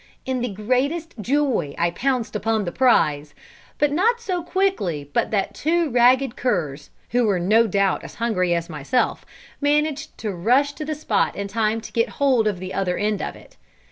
In the greatest joy I pounced upon the prize, but not so quickly but that two ragged curs, who were no doubt as hungry as myself, managed to rush to the spot in time to get hold of the other end of it.